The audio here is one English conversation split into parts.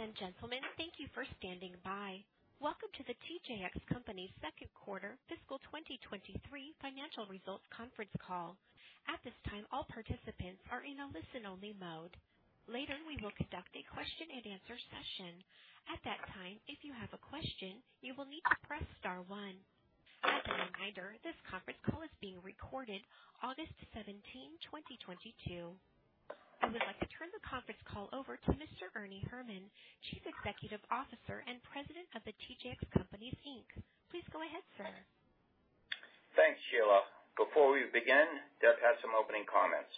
Ladies and gentlemen, thank you for standing by. Welcome to The TJX Companies second quarter fiscal 2023 financial results conference call. At this time, all participants are in a listen-only mode. Later, we will conduct a question-and-answer session. At that time, if you have a question, you will need to press star one. As a reminder, this conference call is being recorded August 17, 2022. I would like to turn the conference call over to Mr. Ernie Herrman, Chief Executive Officer and President of The TJX Companies, Inc. Please go ahead, sir. Thanks, Sheila. Before we begin, Deb has some opening comments.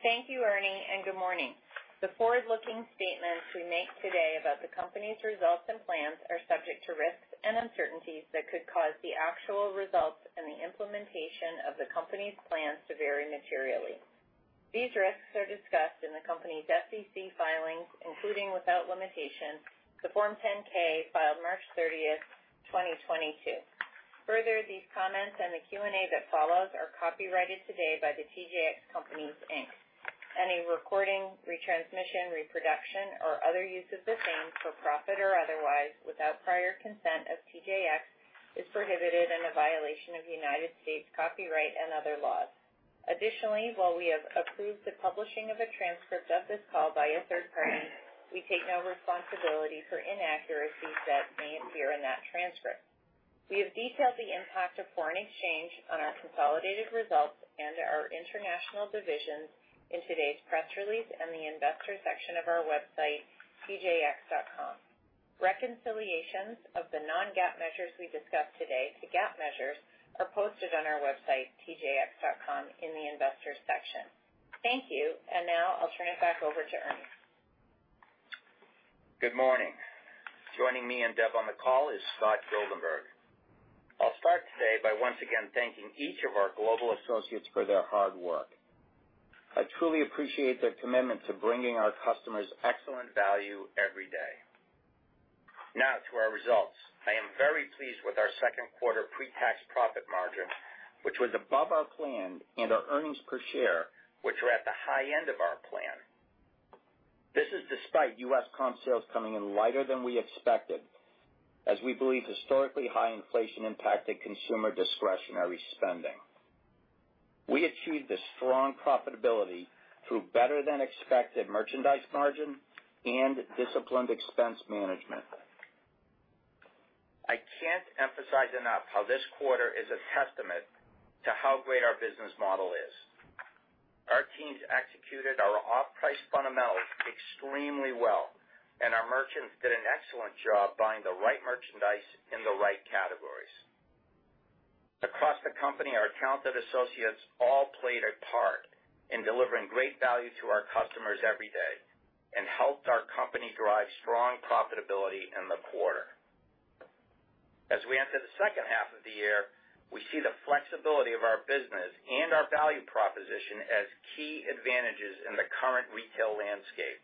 Thank you, Ernie, and good morning. The forward-looking statements we make today about the company's results and plans are subject to risks and uncertainties that could cause the actual results and the implementation of the company's plans to vary materially. These risks are discussed in the company's SEC filings, including without limitation, the Form 10-K filed March 30th, 2022. Further, these comments and the Q&A that follows are copyrighted today by the TJX Companies, Inc. Any recording, retransmission, reproduction, or other use of the same for profit or otherwise, without prior consent of TJX, is prohibited and a violation of United States copyright and other laws. Additionally, while we have approved the publishing of a transcript of this call by a third party, we take no responsibility for inaccuracies that may appear in that transcript. We have detailed the impact of foreign exchange on our consolidated results and our international divisions in today's press release in the investor section of our website, tjx.com. Reconciliations of the non-GAAP measures we discussed today to GAAP measures are posted on our website, tjx.com in the investor section. Thank you, and now I'll turn it back over to Ernie. Good morning. Joining me and Deb on the call is Scott Goldenberg. I'll start today by once again thanking each of our global associates for their hard work. I truly appreciate their commitment to bringing our customers excellent value every day. Now to our results. I am very pleased with our second quarter pre-tax profit margin, which was above our plan, and our earnings per share, which are at the high end of our plan. This is despite U.S. comp sales coming in lighter than we expected, as we believe historically high inflation impacted consumer discretionary spending. We achieved a strong profitability through better than expected merchandise margin and disciplined expense management. I can't emphasize enough how this quarter is a testament to how great our business model is. Our teams executed our off-price fundamentals extremely well, and our merchants did an excellent job buying the right merchandise in the right categories. Across the company, our talented associates all played a part in delivering great value to our customers every day and helped our company drive strong profitability in the quarter. As we enter the second half of the year, we see the flexibility of our business and our value proposition as key advantages in the current retail landscape.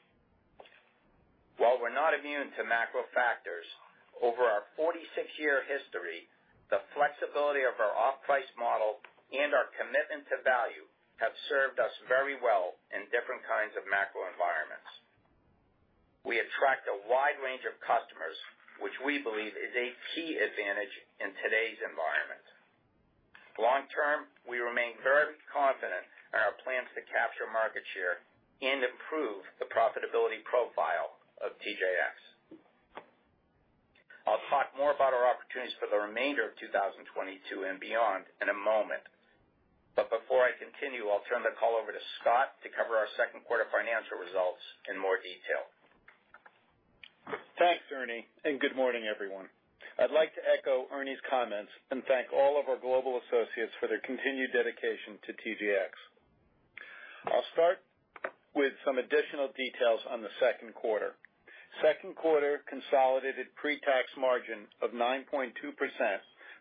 While we're not immune to macro factors, over our 46-year history, the flexibility of our off-price model and our commitment to value have served us very well in different kinds of macro environments. We attract a wide range of customers, which we believe is a key advantage in today's environment. Long term, we remain very confident in our plans to capture market share and improve the profitability profile of TJX. I'll talk more about our opportunities for the remainder of 2022 and beyond in a moment. Before I continue, I'll turn the call over to Scott to cover our second quarter financial results in more detail. Thanks, Ernie, and good morning, everyone. I'd like to echo Ernie's comments and thank all of our global associates for their continued dedication to TJX. I'll start with some additional details on the second quarter. Second quarter consolidated pre-tax margin of 9.2%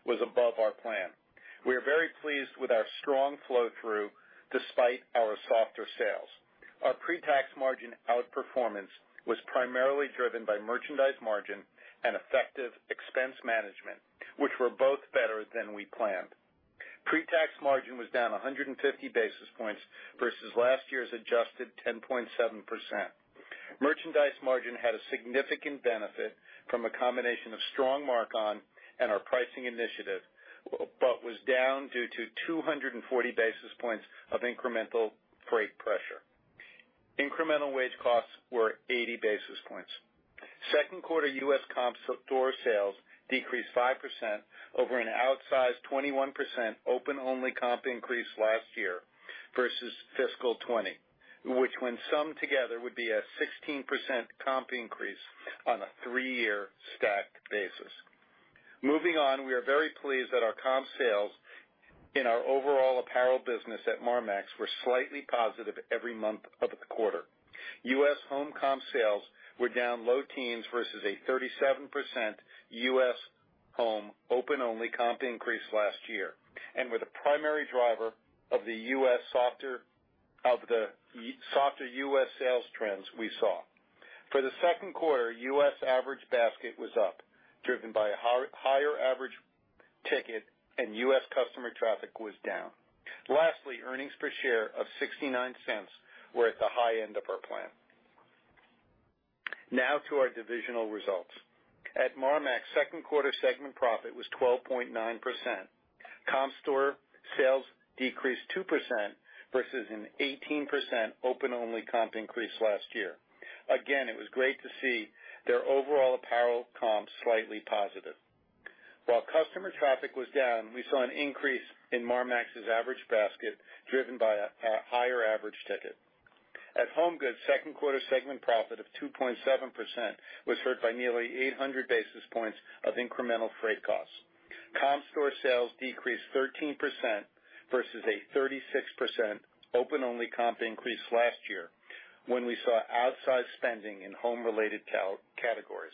was above our plan. We are very pleased with our strong flow through despite our softer sales. Our pre-tax margin outperformance was primarily driven by merchandise margin and effective expense management, which were both better than we planned. Pre-tax margin was down 150 basis points versus last year's adjusted 10.7%. Merchandise margin had a significant benefit from a combination of strong markon and our pricing initiative, but was down due to 240 basis points of incremental freight pressure. Incremental wage costs were 80 basis points. Second quarter U.S. comp store sales decreased 5% over an outsized 21% open-only comp increase last year versus fiscal 2020, which when summed together, would be a 16% comp increase on a three-year stacked basis. Moving on, we are very pleased that our comp sales in our overall apparel business at Marmaxx were slightly positive every month of the quarter. U.S. home comp sales were down low teens versus a 37% U.S. home open-only comp increase last year and were the primary driver of the softer U.S. sales trends we saw. For the second quarter, U.S. average basket was up, driven by a higher average ticket and U.S. customer traffic was down. Lastly, earnings per share of $0.69 were at the high end of our plan. Now to our divisional results. At Marmaxx, second quarter segment profit was 12.9%. Comp store sales decreased 2% versus an 18% open-only comp increase last year. Again, it was great to see their overall apparel comp slightly positive. While customer traffic was down, we saw an increase in Marmaxx's average basket, driven by a higher average ticket. At HomeGoods, second quarter segment profit of 2.7% was hurt by nearly 800 basis points of incremental freight costs. Comp store sales decreased 13% versus a 36% open-only comp increase last year, when we saw outsized spending in home-related categories.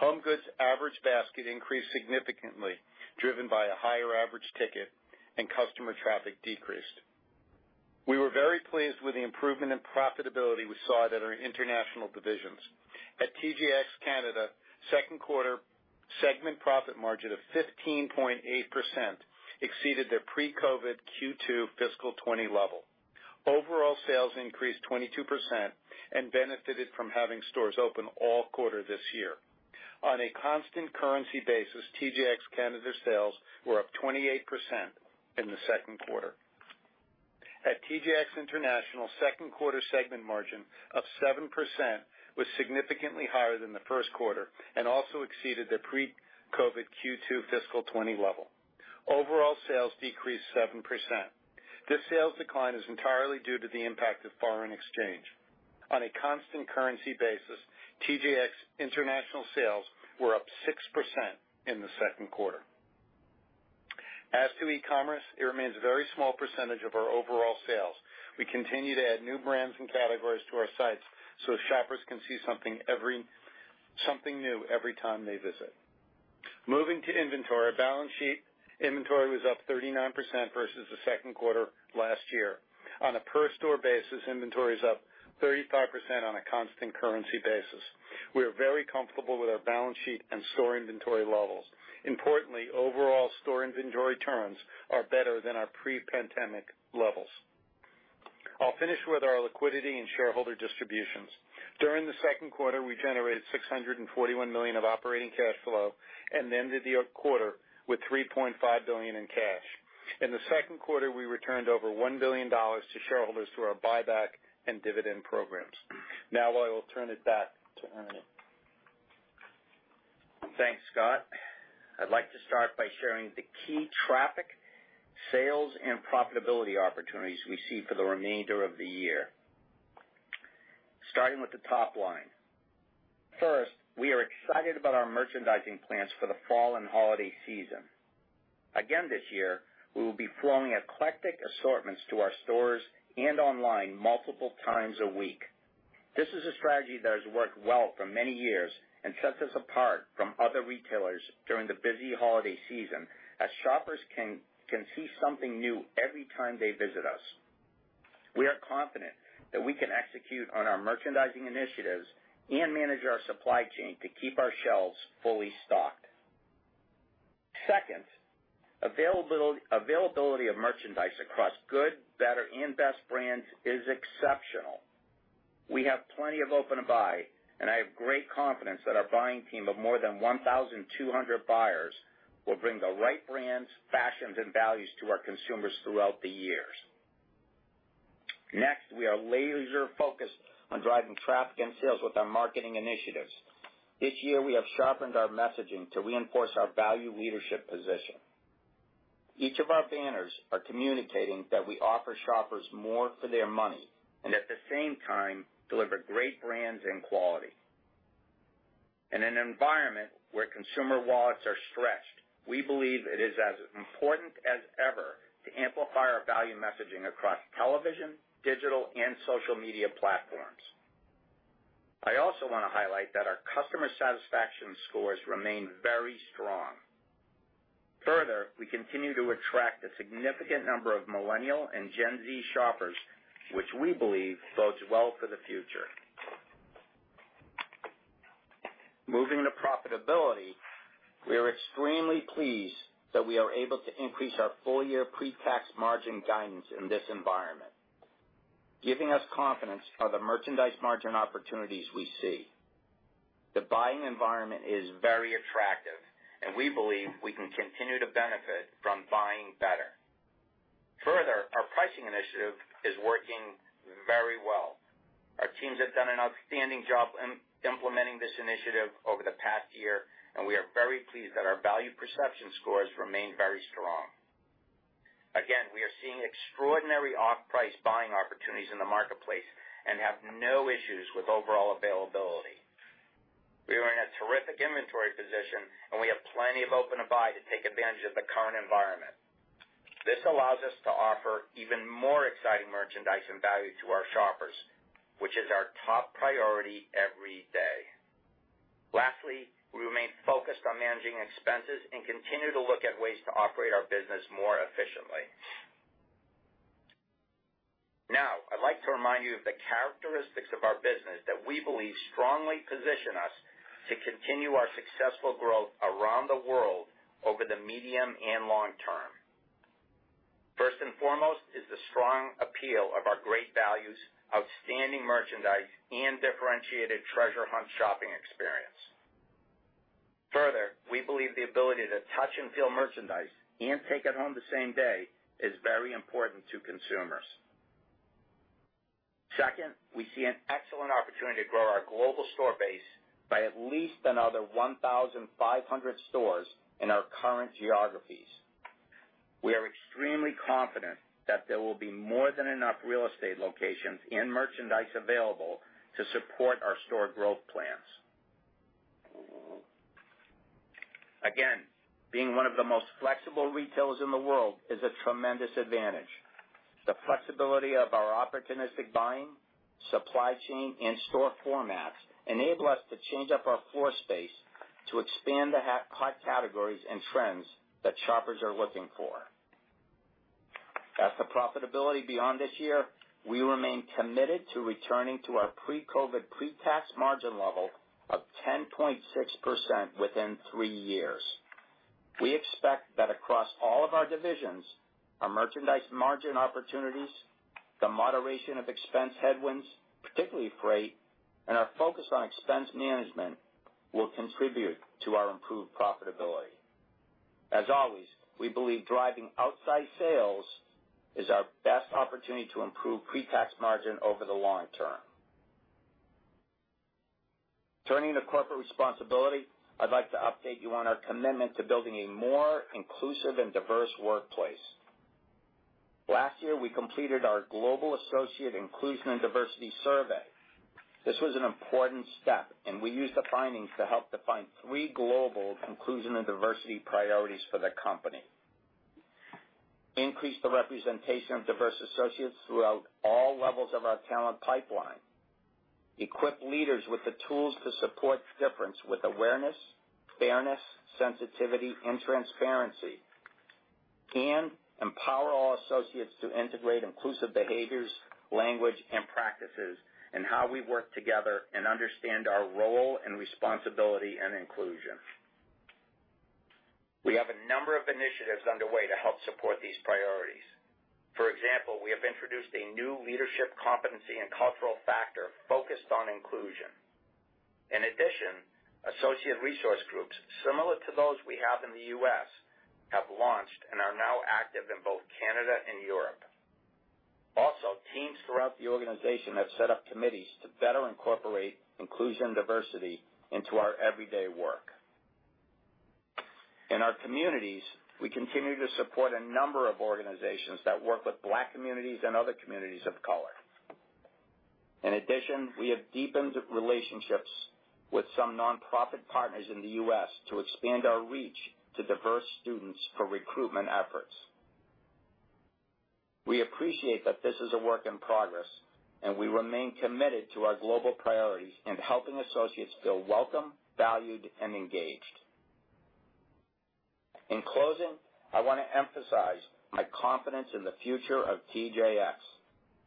HomeGoods average basket increased significantly, driven by a higher average ticket and customer traffic decreased. We were very pleased with the improvement in profitability we saw at our international divisions. At TJX Canada, second quarter segment profit margin of 15.8% exceeded their pre-COVID Q2 fiscal 2020 level. Overall sales increased 22% and benefited from having stores open all quarter this year. On a constant currency basis, TJX Canada sales were up 28% in the second quarter. At TJX International, second quarter segment margin of 7% was significantly higher than the first quarter and also exceeded the pre-COVID Q2 fiscal 2020 level. Overall sales decreased 7%. This sales decline is entirely due to the impact of foreign exchange. On a constant currency basis, TJX International sales were up 6% in the second quarter. As to e-commerce, it remains a very small percentage of our overall sales. We continue to add new brands and categories to our sites so shoppers can see something new every time they visit. Moving to inventory, balance sheet inventory was up 39% versus the second quarter last year. On a per store basis, inventory is up 35% on a constant currency basis. We are very comfortable with our balance sheet and store inventory levels. Importantly, overall store inventory turns are better than our pre-pandemic levels. I'll finish with our liquidity and shareholder distributions. During the second quarter, we generated $641 million of operating cash flow and ended the quarter with $3.5 billion in cash. In the second quarter, we returned over $1 billion to shareholders through our buyback and dividend programs. Now I will turn it back to Ernie. Thanks, Scott. I'd like to start by sharing the key traffic, sales and profitability opportunities we see for the remainder of the year. Starting with the top line. First, we are excited about our merchandising plans for the fall and holiday season. Again, this year, we will be flowing eclectic assortments to our stores and online multiple times a week. This is a strategy that has worked well for many years and sets us apart from other retailers during the busy holiday season, as shoppers can see something new every time they visit us. We are confident that we can execute on our merchandising initiatives and manage our supply chain to keep our shelves fully stocked. Second, availability of merchandise across good, better, and best brands is exceptional. We have plenty of open-to-buy, and I have great confidence that our buying team of more than 1,200 buyers will bring the right brands, fashions, and values to our consumers throughout the years. Next, we are laser focused on driving traffic and sales with our marketing initiatives. This year, we have sharpened our messaging to reinforce our value leadership position. Each of our banners are communicating that we offer shoppers more for their money and at the same time deliver great brands and quality. In an environment where consumer wallets are stretched, we believe it is as important as ever to amplify our value messaging across television, digital, and social media platforms. I also wanna highlight that our customer satisfaction scores remain very strong. Further, we continue to attract a significant number of Millennial and Gen Z shoppers, which we believe bodes well for the future. Moving to profitability, we are extremely pleased that we are able to increase our full-year pre-tax margin guidance in this environment, giving us confidence in the merchandise margin opportunities we see. The buying environment is very attractive and we believe we can continue to benefit from buying better. Further, our pricing initiative is working very well. Our teams have done an outstanding job implementing this initiative over the past year, and we are very pleased that our value perception scores remain very strong. Again, we are seeing extraordinary off-price buying opportunities in the marketplace and have no issues with overall availability. We are in a terrific inventory position, and we have plenty of open-to-buy to take advantage of the current environment. This allows us to offer even more exciting merchandise and value to our shoppers, which is our top priority every day. Lastly, we remain focused on managing expenses and continue to look at ways to operate our business more efficiently. I'd like to remind you of the characteristics of our business that we believe strongly position us to continue our successful growth around the world over the medium and long term. First and foremost is the strong appeal of our great values, outstanding merchandise, and differentiated treasure hunt shopping experience. Further, we believe the ability to touch and feel merchandise and take it home the same day is very important to consumers. Second, we see an excellent opportunity to grow our global store base by at least another 1,500 stores in our current geographies. We are extremely confident that there will be more than enough real estate locations and merchandise available to support our store growth plans. Again, being one of the most flexible retailers in the world is a tremendous advantage. The flexibility of our opportunistic buying, supply chain, and store formats enable us to change up our floor space to expand the hot categories and trends that shoppers are looking for. As for profitability beyond this year, we remain committed to returning to our pre-COVID pre-tax margin level of 10.6% within three years. We expect that across all of our divisions, our merchandise margin opportunities, the moderation of expense headwinds, particularly freight, and our focus on expense management will contribute to our improved profitability. As always, we believe driving outsized sales is our best opportunity to improve pre-tax margin over the long term. Turning to corporate responsibility, I'd like to update you on our commitment to building a more inclusive and diverse workplace. Last year, we completed our global associate inclusion and diversity survey. This was an important step, and we used the findings to help define three global inclusion and diversity priorities for the company. Increase the representation of diverse associates throughout all levels of our talent pipeline. Equip leaders with the tools to support difference with awareness, fairness, sensitivity, and transparency. Empower all associates to integrate inclusive behaviors, language, and practices in how we work together and understand our role and responsibility and inclusion. We have a number of initiatives underway to help support these priorities. For example, we have introduced a new leadership competency and cultural factor focused on inclusion. In addition, associate resource groups, similar to those we have in the U.S., have launched and are now active in both Canada and Europe. Also, teams throughout the organization have set up committees to better incorporate inclusion diversity into our everyday work. In our communities, we continue to support a number of organizations that work with Black communities and other communities of color. In addition, we have deepened relationships with some nonprofit partners in the U.S. to expand our reach to diverse students for recruitment efforts. We appreciate that this is a work in progress, and we remain committed to our global priorities and helping associates feel welcome, valued, and engaged. In closing, I wanna emphasize my confidence in the future of TJX.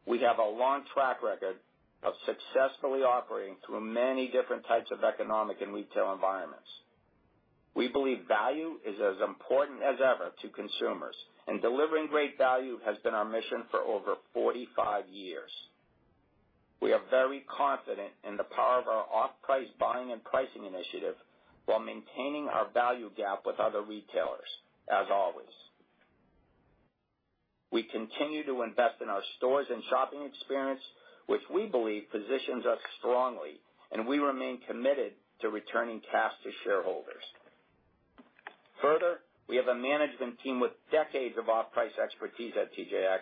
We have a long track record of successfully operating through many different types of economic and retail environments. We believe value is as important as ever to consumers, and delivering great value has been our mission for over 45 years. We are very confident in the power of our off-price buying and pricing initiative while maintaining our value gap with other retailers, as always. We continue to invest in our stores and shopping experience, which we believe positions us strongly, and we remain committed to returning cash to shareholders. Further, we have a management team with decades of off-price expertise at TJX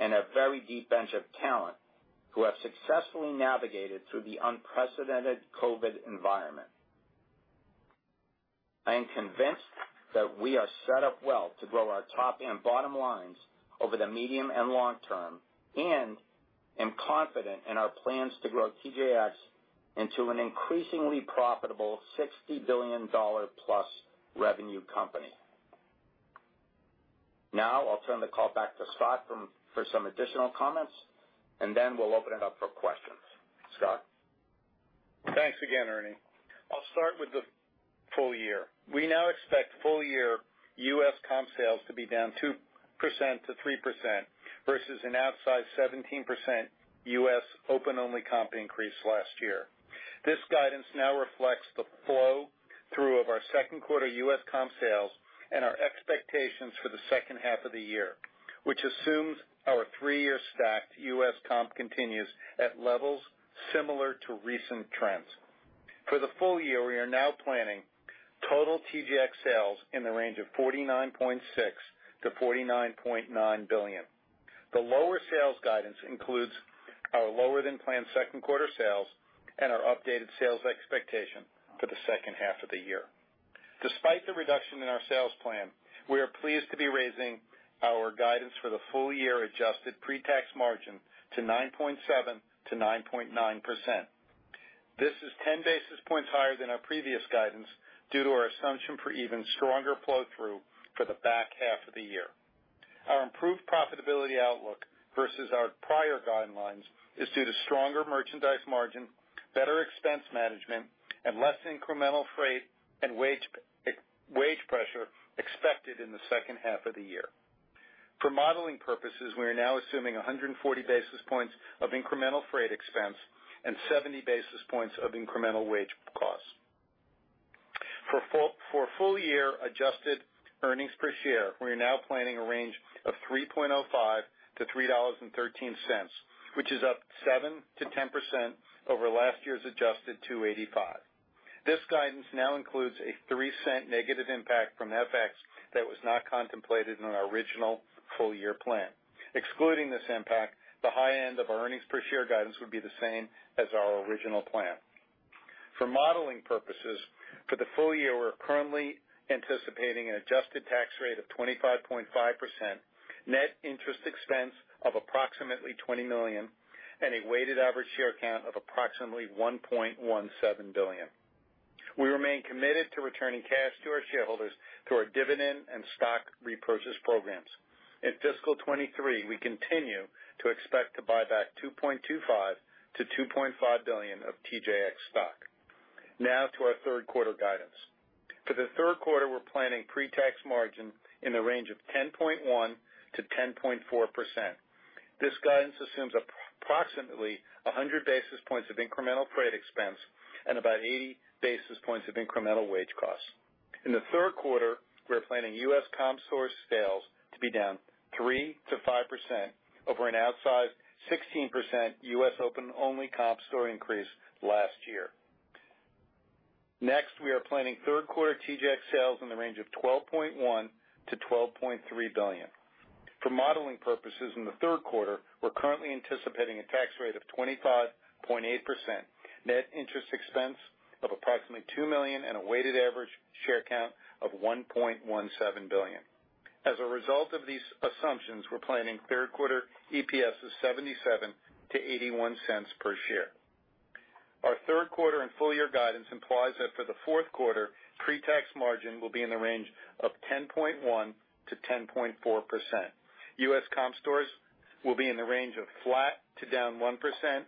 and a very deep bench of talent who have successfully navigated through the unprecedented COVID environment. I am convinced that we are set up well to grow our top and bottom lines over the medium and long term, and am confident in our plans to grow TJX into an increasingly profitable $60+ billion revenue company. Now, I'll turn the call back to Scott for some additional comments, and then we'll open it up for questions. Scott? Thanks again, Ernie. I'll start with the full year. We now expect full-year U.S. comp sales to be down 2% to 3% versus an outside 17% U.S. open-only comp increase last year. This guidance now reflects the flow through of our second quarter U.S. comp sales and our expectations for the second half of the year, which assumes our three-year stacked U.S. comp continues at levels similar to recent trends. For the full year, we are now planning total TJX sales in the range of $49.6 billion-$49.9 billion. The lower sales guidance includes our lower than planned second quarter sales and our updated sales expectation for the second half of the year. Despite the reduction in our sales plan, we are pleased to be raising our guidance for the full year adjusted pre-tax margin to 9.7%-9.9%. This is 10 basis points higher than our previous guidance due to our assumption for even stronger flow through for the back half of the year. Our improved profitability outlook versus our prior guidelines is due to stronger merchandise margin, better expense management, and less incremental freight and wage pressure expected in the second half of the year. For modeling purposes, we are now assuming 140 basis points of incremental freight expense and 70 basis points of incremental wage costs. For full year adjusted earnings per share, we are now planning a range of $3.05-$3.13, which is up 7%-10% over last year's adjusted $2.85. This guidance now includes a $0.03 negative impact from FX that was not contemplated in our original full year plan. Excluding this impact, the high end of our earnings per share guidance would be the same as our original plan. For modeling purposes, for the full year, we're currently anticipating an adjusted tax rate of 25.5%, net interest expense of approximately $20 million and a weighted average share count of approximately 1.17 billion. We remain committed to returning cash to our shareholders through our dividend and stock repurchase programs. In Fiscal 2023, we continue to expect to buy back $2.25 billion-$2.5 billion of TJX stock. Now to our third quarter guidance. For the third quarter, we're planning pre-tax margin in the range of 10.1%-10.4%. This guidance assumes approximately 100 basis points of incremental freight expense and about 80 basis points of incremental wage costs. In the third quarter, we are planning U.S. comp store sales to be down 3%-5% over an outsized 16% U.S. open-only comp store increase last year. Next, we are planning third quarter TJX sales in the range of $12.1 billion-$12.3 billion. For modeling purposes, in the third quarter, we're currently anticipating a tax rate of 25.8%, net interest expense of approximately $2 million and a weighted average share count of 1.17 billion. As a result of these assumptions, we're planning third quarter EPS of $0.77-$0.81 per share. Our third quarter and full year guidance implies that for the fourth quarter, pre-tax margin will be in the range of 10.1%-10.4%. U.S. comp stores will be in the range of flat to down 1%,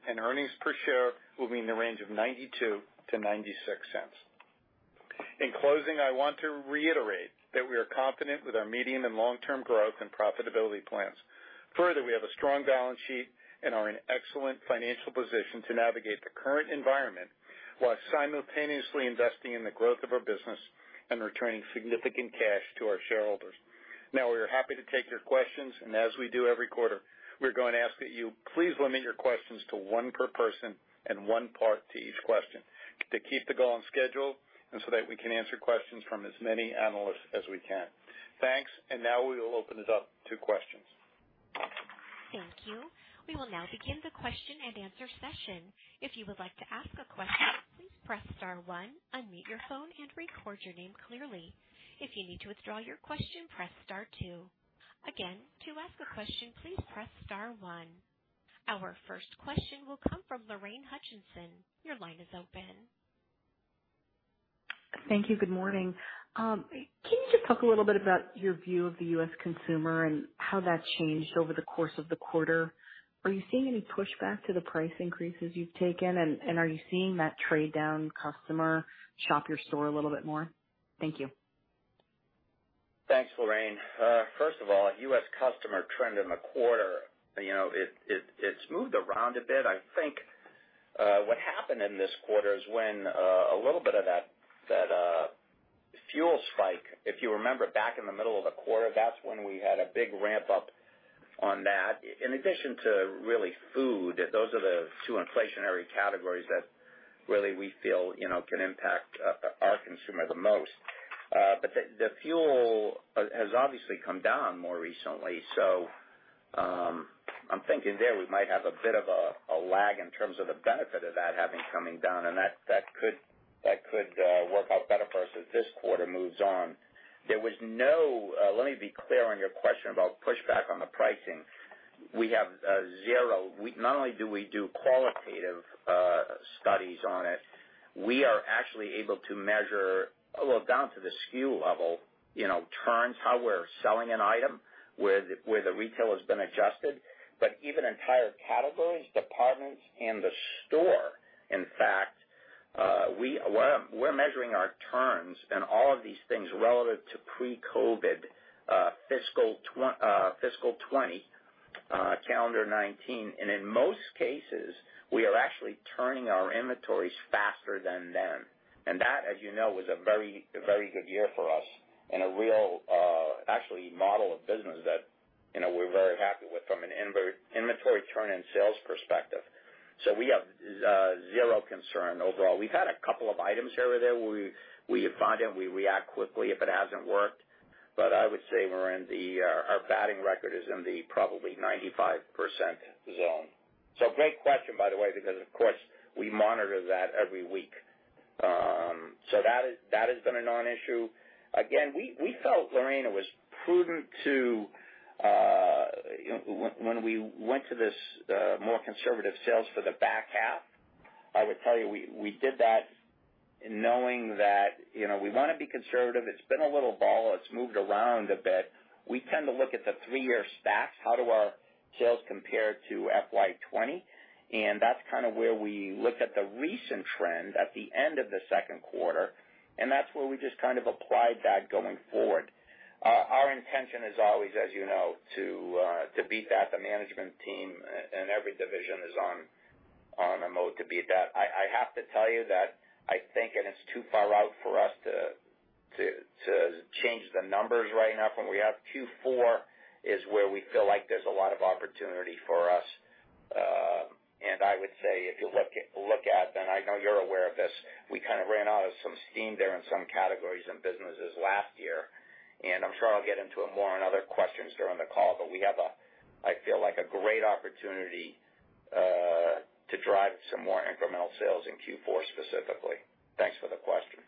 and earnings per share will be in the range of $0.92-$0.96. In closing, I want to reiterate that we are confident with our medium and long-term growth and profitability plans. Further, we have a strong balance sheet and are in excellent financial position to navigate the current environment while simultaneously investing in the growth of our business and returning significant cash to our shareholders. Now, we are happy to take your questions, and as we do every quarter, we're going to ask that you please limit your questions to one per person and one part to each question to keep the call on schedule and so that we can answer questions from as many analysts as we can. Thanks. Now we will open it up to questions. Thank you. We will now begin the question and answer session. If you would like to ask a question, please press star one, unmute your phone and record your name clearly. If you need to withdraw your question, press star two. Again, to ask a question, please press star one. Our first question will come from Lorraine Hutchinson. Your line is open. Thank you. Good morning. Can you just talk a little bit about your view of the U.S. consumer and how that's changed over the course of the quarter? Are you seeing any pushback to the price increases you've taken? Are you seeing that trade down customer shop your store a little bit more? Thank you. Thanks, Lorraine. First of all, U.S. customer trend in the quarter, you know, it's moved around a bit. I think what happened in this quarter is when a little bit of that fuel spike, if you remember back in the middle of the quarter, that's when we had a big ramp up on that. In addition to really food, those are the two inflationary categories that really we feel, you know, can impact our consumer the most. But the fuel has obviously come down more recently. I'm thinking there we might have a bit of a lag in terms of the benefit of that having coming down, and that could work out better for us as this quarter moves on. There was no, let me be clear on your question about pushback on the pricing. We have zero. Not only do we do qualitative studies on it, we are actually able to measure, well, down to the SKU level, you know, turns, how we're selling an item where the retail has been adjusted, but even entire categories, departments in the store, in fact, we're measuring our turns and all of these things relative to pre-COVID, fiscal 2020, calendar 2019. In most cases, we are actually turning our inventories faster than then. That, as you know, was a very, a very good year for us and a real, actually model of business that, you know, we're very happy with from an inventory turn and sales perspective. We have zero concern overall. We've had a couple of items here or there where we find it and we react quickly if it hasn't worked. I would say we're in the, our batting record is in the probably 95% zone. Great question, by the way, because of course, we monitor that every week. That has been a non-issue. Again, we felt, Lorraine, it was prudent to, you know, when we went to this more conservative sales for the back half, I would tell you, we did that knowing that, you know, we wanna be conservative. It's been a little volatile. It's moved around a bit. We tend to look at the three-year stacks, how do our sales compare to FY 2020? That's kinda where we looked at the recent trend at the end of the second quarter, and that's where we just kind of applied that going forward. Our intention is always, as you know, to beat that. The management team and every division is on a mode to beat that. I have to tell you that I think, and it's too far out for us to change the numbers right now. When we have Q4 is where we feel like there's a lot of opportunity for us. I would say if you look at, and I know you're aware of this, we kinda ran out of some steam there in some categories and businesses last year. I'm sure I'll get into it more on other questions during the call, but we have, I feel like, a great opportunity to drive some more incremental sales in Q4 specifically. Thanks for the question.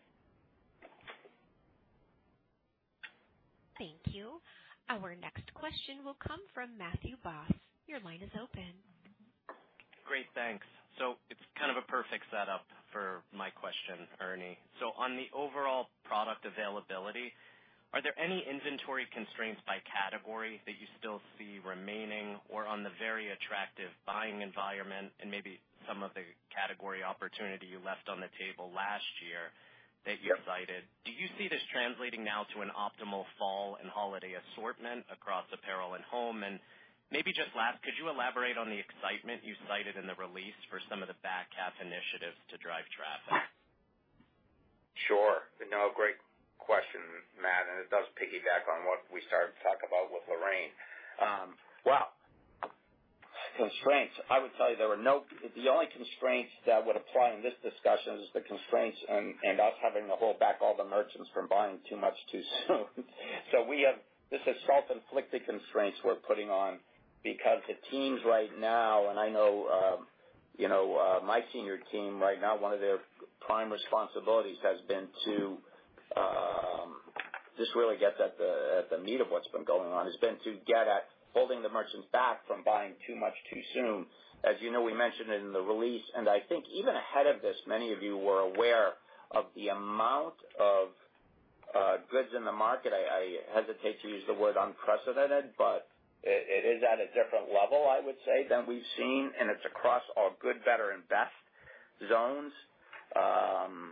Thank you. Our next question will come from Matthew Boss. Your line is open. Great, thanks. It's kind of a perfect setup for my question, Ernie. On the overall product availability, are there any inventory constraints by category that you still see remaining or on the very attractive buying environment and maybe some of the category opportunity you left on the table last year that you cited? Do you see this translating now to an optimal fall and holiday assortment across apparel and home? Maybe just last, could you elaborate on the excitement you cited in the release for some of the back half initiatives to drive traffic? Sure. No, great question, Matthew, and it does piggyback on what we started to talk about with Lorraine. Constraints, I would tell you there were no. The only constraints that would apply in this discussion is the constraints and us having to hold back all the merchants from buying too much too soon. We have, this is self-inflicted constraints we're putting on because the teams right now, and I know, you know, my senior team right now, one of their prime responsibilities has been to just really get at the meat of what's been going on, has been to get at holding the merchants back from buying too much too soon. As you know, we mentioned it in the release, and I think even ahead of this, many of you were aware of the amount of goods in the market. I hesitate to use the word unprecedented, but it is at a different level, I would say, than we've seen, and it's across all good, better, and best zones. I'm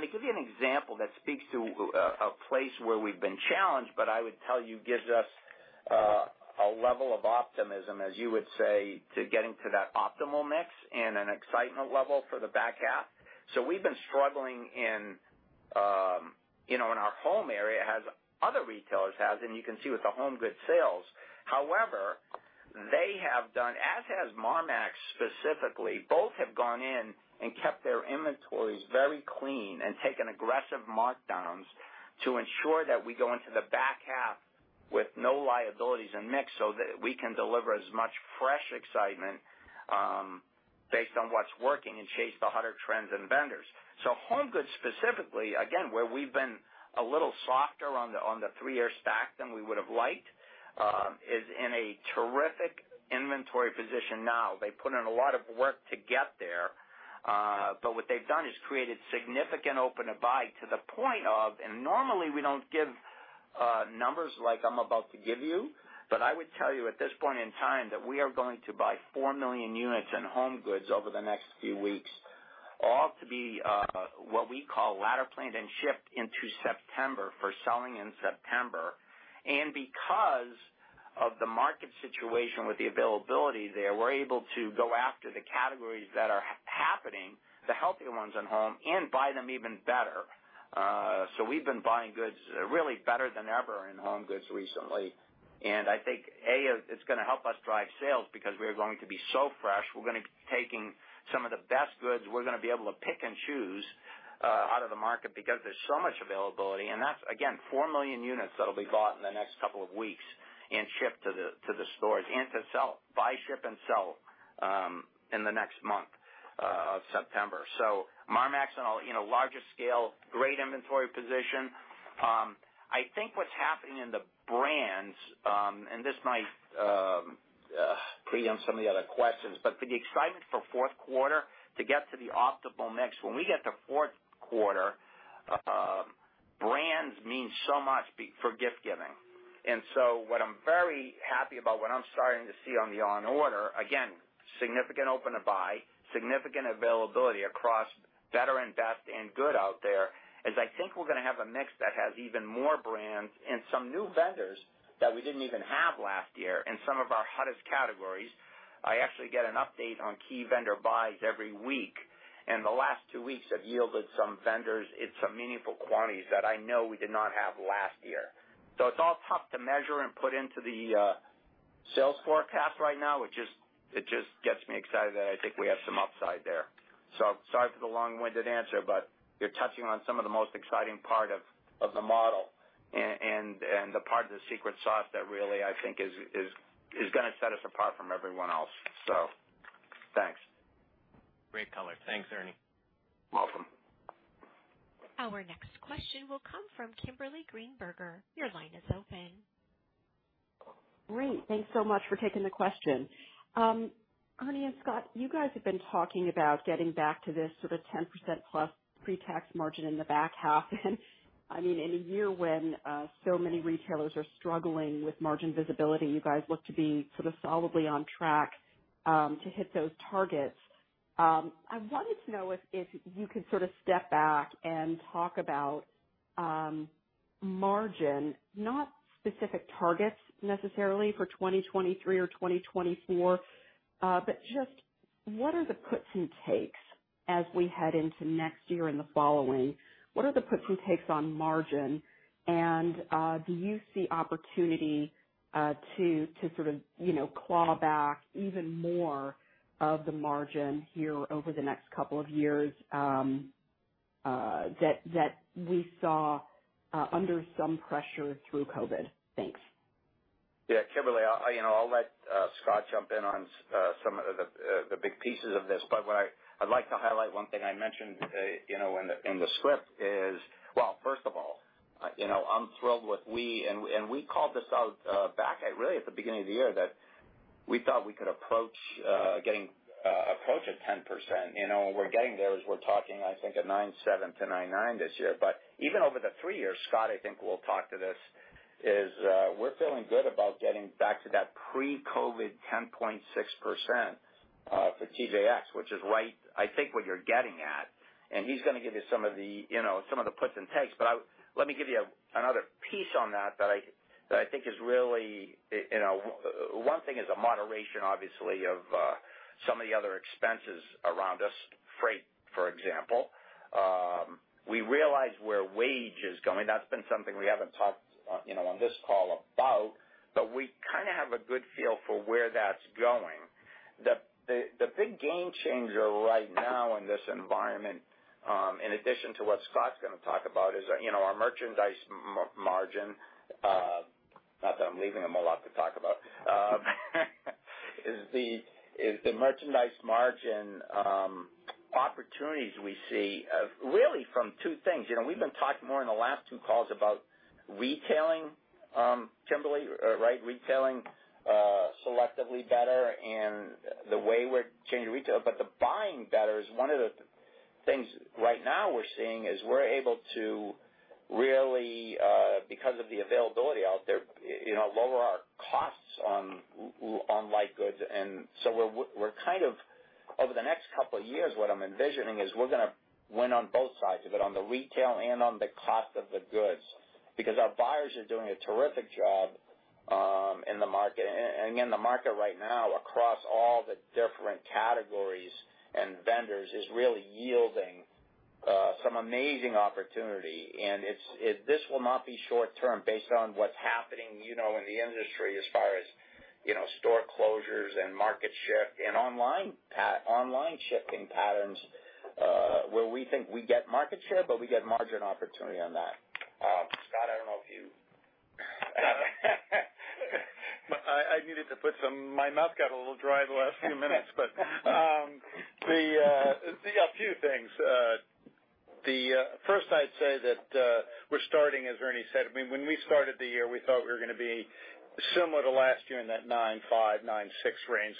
gonna give you an example that speaks to a place where we've been challenged, but I would tell you gives us a level of optimism, as you would say, to getting to that optimal mix and an excitement level for the back half. We've been struggling in, you know, in our home area, as other retailers has, and you can see with the HomeGoods sales. However, they have done, as has Marmaxx specifically, both have gone in and kept their inventories very clean and taken aggressive markdowns to ensure that we go into the back half with no liabilities in mix so that we can deliver as much fresh excitement, based on what's working and chase the hotter trends and vendors. HomeGoods specifically, again, where we've been a little softer on the three-year stack than we would have liked, is in a terrific inventory position now. They put in a lot of work to get there, but what they've done is created significant open-to-buy to the point of, and normally we don't give numbers like I'm about to give you, but I would tell you at this point in time that we are going to buy 4 million units in HomeGoods over the next few weeks, all to be what we call ladder planned and shipped into September for selling in September. Because of the market situation with the availability there, we're able to go after the categories that are happening, the healthier ones in home, and buy them even better. We've been buying goods really better than ever in HomeGoods recently, and I think it's gonna help us drive sales because we are going to be so fresh. We're gonna be taking some of the best goods. We're gonna be able to pick and choose out of the market because there's so much availability, and that's again 4 million units that'll be bought in the next couple of weeks and shipped to the stores and buy, ship, and sell in the next month of September. Marmaxx on a larger scale, great inventory position. I think what's happening in the brands and this might preempt some of the other questions, but the excitement for fourth quarter to get to the optimal mix. When we get to fourth quarter, brands mean so much before gift giving. What I'm very happy about, what I'm starting to see on the order, again, significant open to buy, significant availability across better and best and good out there, is I think we're gonna have a mix that has even more brands and some new vendors that we didn't even have last year in some of our hottest categories. I actually get an update on key vendor buys every week, and the last two weeks have yielded some vendors in some meaningful quantities that I know we did not have last year. It's all tough to measure and put into the sales forecast right now. It just gets me excited that I think we have some upside there. Sorry for the long-winded answer, but you're touching on some of the most exciting part of the model. And the part of the secret sauce that really, I think, is gonna set us apart from everyone else. Thanks. Great color. Thanks, Ernie. Welcome. Our next question will come from Kimberly Greenberger. Your line is open. Great. Thanks so much for taking the question. Ernie and Scott, you guys have been talking about getting back to this sort of 10%+ pre-tax margin in the back half. I mean, in a year when so many retailers are struggling with margin visibility, you guys look to be sort of solidly on track to hit those targets. I wanted to know if you could sort of step back and talk about margin, not specific targets necessarily for 2023 or 2024, but just what are the puts and takes as we head into next year and the following, what are the puts and takes on margin? Do you see opportunity to sort of, you know, claw back even more of the margin here over the next couple of years, that we saw under some pressure through COVID? Thanks. Yeah, Kimberly, you know, I'll let Scott jump in on some of the big pieces of this, but what I'd like to highlight one thing I mentioned, you know, in the script is. Well, first of all, you know, I'm thrilled with what we and we called this out back at really at the beginning of the year that we thought we could approach 10%. You know, we're getting there as we're talking. I think at 9.7%-9.9% this year, but even over the three years, Scott, I think will talk to this. We're feeling good about getting back to that pre-COVID 10.6% for TJX, which is right, I think, what you're getting at, and he's gonna give you some of the, you know, some of the puts and takes. Let me give you another piece on that that I think is really, you know, one thing is a moderation, obviously, of some of the other expenses around us, freight, for example. We realize where wages is going. That's been something we haven't talked, you know, on this call about, but we kinda have a good feel for where that's going. The big game changer right now in this environment, in addition to what Scott's gonna talk about is, you know, our merchandise margin, not that I'm leaving him a lot to talk about, is the merchandise margin opportunities we see, really from two things. You know, we've been talking more in the last two calls about retailing, Kimberly, right, retailing selectively better and the way we're changing retail, but the buying better is one of the things right now we're seeing is we're able to really, because of the availability out there, you know, lower our costs on light goods. We're kind of over the next couple of years, what I'm envisioning is we're gonna win on both sides of it, on the retail and on the cost of the goods because our buyers are doing a terrific job in the market. Again, the market right now across all the different categories and vendors is really yielding some amazing opportunity. This will not be short term based on what's happening, you know, in the industry as far as, you know, store closures and market shift and online shifting patterns where we think we get market share, but we get margin opportunity on that. Scott, I don't know if you... My mouth got a little dry the last few minutes, but first I'd say that, as Ernie said, I mean, when we started the year, we thought we were gonna be similar to last year in that 9.5%-9.6% range.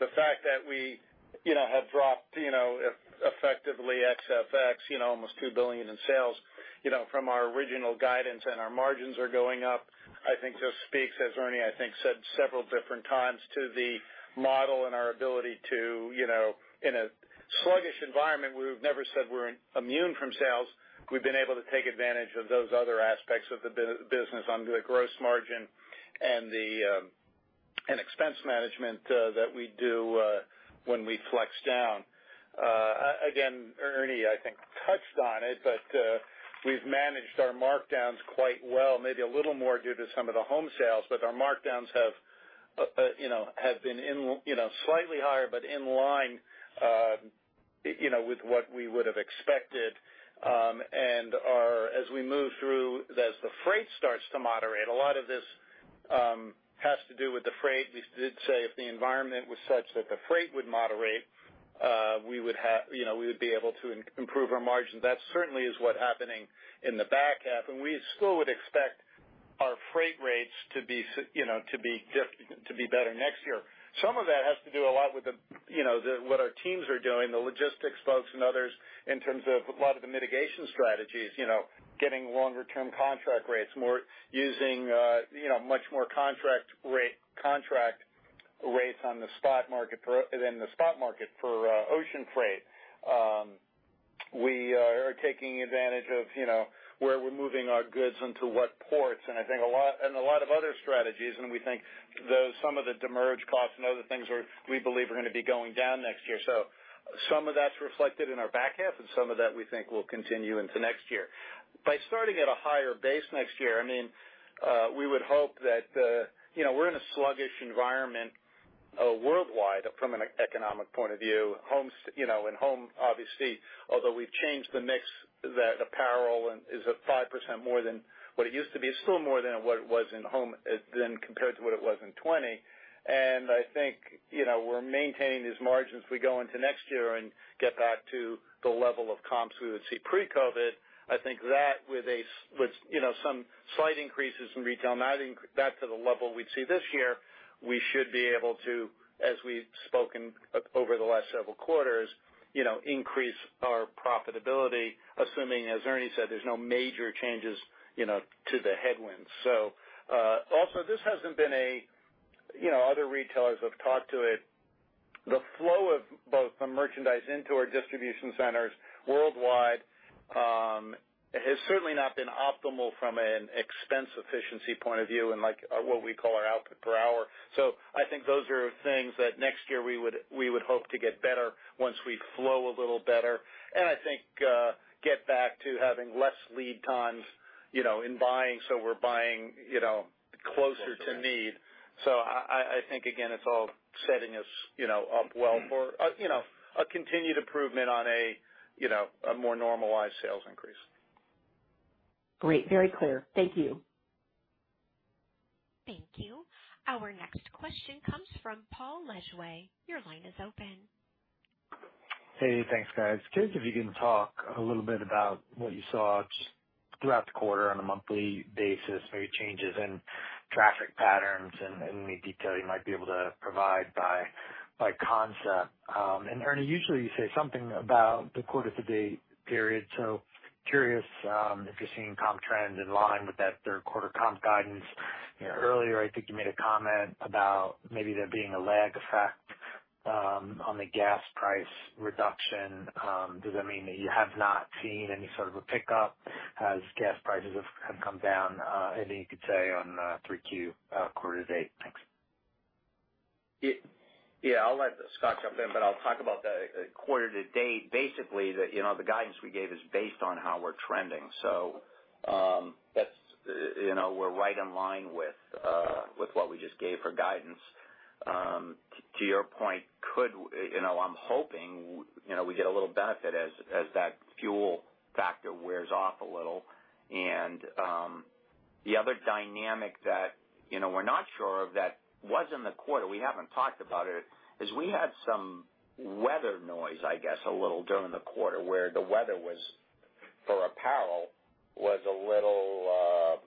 The fact that we, you know, have dropped, you know, effectively ex-FX, you know, almost $2 billion in sales, you know, from our original guidance and our margins are going up, I think, just speaks, as Ernie, I think, said several different times, to the model and our ability to, you know, in a sluggish environment. We've never said we're immune from sales. We've been able to take advantage of those other aspects of the business on the gross margin and the expense management that we do when we flex down. Again, Ernie, I think touched on it, but we've managed our markdowns quite well, maybe a little more due to some of the home sales, but our markdowns have you know been you know slightly higher, but in line you know with what we would've expected. Now, as we move through, as the freight starts to moderate, a lot of this has to do with the freight. We did say if the environment was such that the freight would moderate, we would have you know we would be able to improve our margins. That certainly is what's happening in the back half, and we still would expect our freight rates to be, you know, to be better next year. Some of that has to do a lot with you know, what our teams are doing, the logistics folks and others in terms of a lot of the mitigation strategies. You know, getting longer term contract rates more, using you know, much more contract rates on the spot market for ocean freight. We are taking advantage of, you know, where we're moving our goods into what ports and I think a lot of other strategies, and we think those some of the demurrage costs and other things are, we believe, gonna be going down next year. Some of that's reflected in our back half, and some of that we think will continue into next year. By starting at a higher base next year, I mean, we would hope that, you know, we're in a sluggish environment. Worldwide from an economic point of view, home, you know, and home, obviously, although we've changed the mix that apparel and is at 5% more than what it used to be, it's still more than what it was in home than compared to what it was in 2020. I think, you know, we're maintaining these margins we go into next year and get back to the level of comps we would see pre-COVID. I think that with, you know, some slight increases in retail, adding that to the level we'd see this year, we should be able to, as we've spoken over the last several quarters, you know, increase our profitability, assuming, as Ernie said, there's no major changes, you know, to the headwinds. Also this hasn't been a, you know, other retailers have talked to it. The flow of both the merchandise into our distribution centers worldwide has certainly not been optimal from an expense efficiency point of view and, like, what we call our output per hour. I think those are things that next year we would hope to get better once we flow a little better and I think get back to having less lead times, you know, in buying, so we're buying, you know, closer to need. I think, again, it's all setting us, you know, up well for, you know, a continued improvement on a, you know, a more normalized sales increase. Great. Very clear. Thank you. Thank you. Our next question comes from Paul Lejuez. Your line is open. Hey, thanks, guys. Curious if you can talk a little bit about what you saw just throughout the quarter on a monthly basis, maybe changes in traffic patterns and any detail you might be able to provide by concept. Ernie, usually you say something about the quarter to date period, so curious if you're seeing comp trends in line with that third quarter comp guidance. Earlier, I think you made a comment about maybe there being a lag effect on the gas price reduction. Does that mean that you have not seen any sort of a pickup as gas prices have come down? Anything you could say on three Q quarter-to-date. Thanks. Yeah, I'll let Scott jump in, but I'll talk about the quarter to date. Basically, you know, the guidance we gave is based on how we're trending. That's, you know, we're right in line with what we just gave for guidance. To your point, you know, I'm hoping, you know, we get a little benefit as that fuel factor wears off a little. The other dynamic that, you know, we're not sure of that was in the quarter, we haven't talked about it, is we had some weather noise, I guess, a little during the quarter where the weather was, for apparel, a little,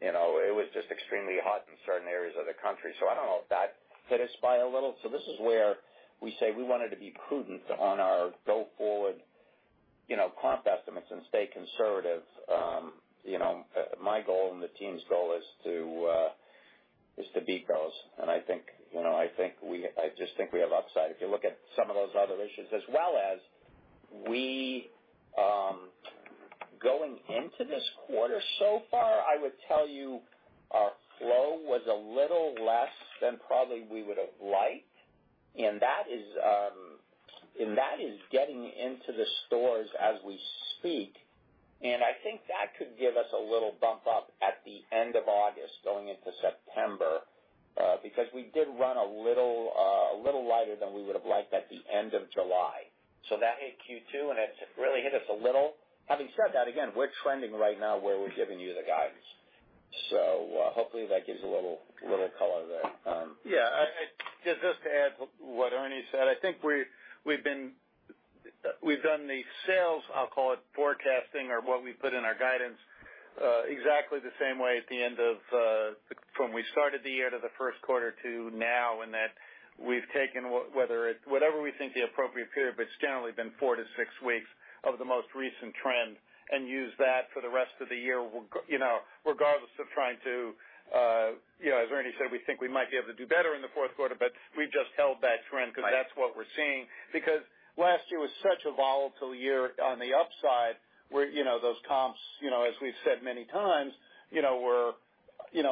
you know, it was just extremely hot in certain areas of the country. I don't know if that hit us by a little. This is where we say we wanted to be prudent on our go forward, you know, comp estimates and stay conservative. You know, my goal and the team's goal is to beat those. You know, I just think we have upside. If you look at some of those other issues as well as going into this quarter so far, I would tell you our flow was a little less than probably we would have liked, and that is getting into the stores as we speak. I think that could give us a little bump up at the end of August going into September, because we did run a little lighter than we would have liked at the end of July. That hit Q2, and it really hit us a little. Having said that, again, we're trending right now where we've given you the guidance. Hopefully, that gives a little color there. Yeah. Just to add what Ernie said, I think we've done the sales forecasting or what we put in our guidance exactly the same way from when we started the year to the first quarter to now, and that we've taken whatever we think the appropriate period, but it's generally been four weeks-six weeks of the most recent trend and use that for the rest of the year, you know, regardless of trying to, you know, as Ernie said, we think we might be able to do better in the fourth quarter, but we've just held that trend because that's what we're seeing. Because last year was such a volatile year on the upside, where, you know, those comps, you know, as we've said many times, you know, were, you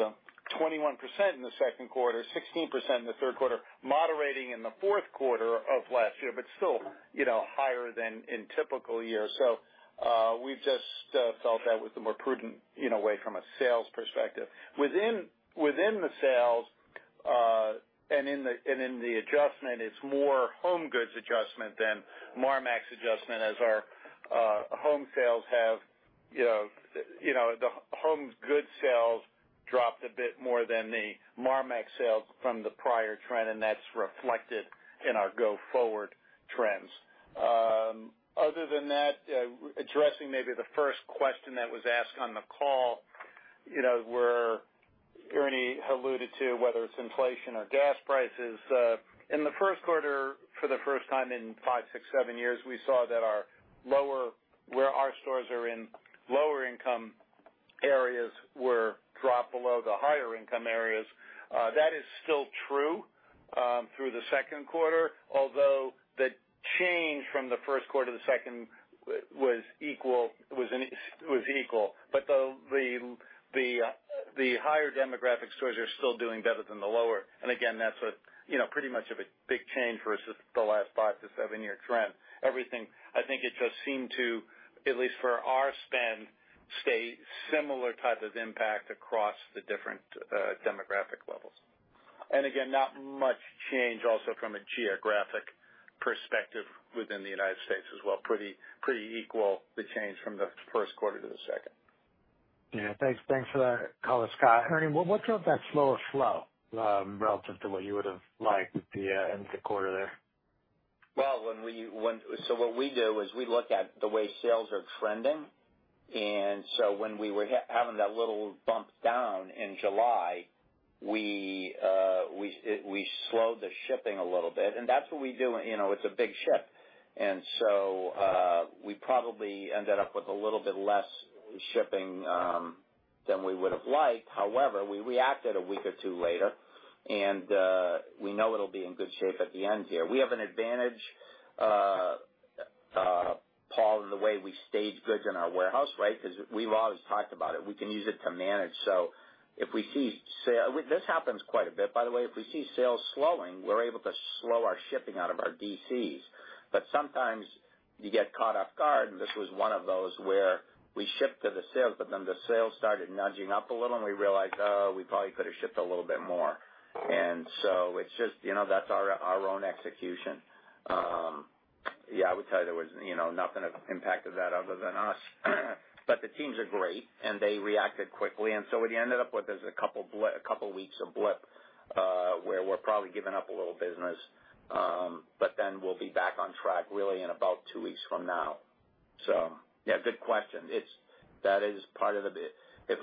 know, 21% in the second quarter, 16% in the third quarter, moderating in the fourth quarter of last year, but still, you know, higher than in typical years. We've just felt that was the more prudent, you know, way from a sales perspective. Within the sales, and in the adjustment, it's more HomeGoods adjustment than Marmaxx adjustment as our HomeGoods sales have, you know, dropped a bit more than the Marmaxx sales from the prior trend, and that's reflected in our go forward trends. Addressing maybe the first question that was asked on the call, you know, where Ernie alluded to, whether it's inflation or gas prices, in the first quarter, for the first time in five years, six years, seven years, we saw that where our stores are in lower income areas were dropped below the higher income areas. That is still true through the second quarter, although the change from the first quarter to the second was equal. But the higher demographic stores are still doing better than the lower. Again, that's you know, pretty much of a big change versus the last five year-seven year trend. I think it just seemed to, at least for our spend. Same similar type of impact across the different demographic levels. Again, not much change also from a geographic perspective within the United States as well. Pretty equal the change from the first quarter to the second. Yeah, thanks. Thanks for that color, Scott. Ernie, what drove that slower flow relative to what you would have liked the end of the quarter there? What we do is we look at the way sales are trending, and so when we were having that little bump down in July, we slowed the shipping a little bit, and that's what we do. You know, it's a big ship. We probably ended up with a little bit less shipping than we would have liked. However, we reacted a week or two later, and we know it'll be in good shape at the end here. We have an advantage, Paul, in the way we stage goods in our warehouse, right? 'Cause we've always talked about it. We can use it to manage. This happens quite a bit, by the way. If we see sales slowing, we're able to slow our shipping out of our DCs. Sometimes you get caught off guard, and this was one of those where we shipped to the sales, but then the sales started nudging up a little, and we realized, oh, we probably could have shipped a little bit more. It's just, you know, that's our own execution. Yeah, I would tell you there was, you know, nothing that impacted that other than us. The teams are great, and they reacted quickly. What you ended up with is a couple weeks of blip, where we're probably giving up a little business, but then we'll be back on track really in about two weeks from now. Yeah, good question. That is part of the business. If it